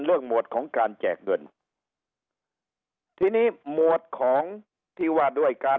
หมวดของการแจกเงินทีนี้หมวดของที่ว่าด้วยการ